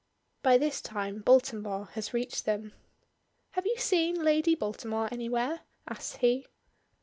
By this time Baltimore has reached them. "Have you seen Lady Baltimore anywhere?" asks he.